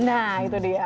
nah itu dia